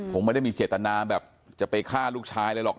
ผมไม่ได้มีเศรษฐนาแบบจะไปฆ่าลูกชายเลยหรอก